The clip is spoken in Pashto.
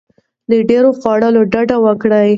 له ډیر خوړلو ډډه وکړئ.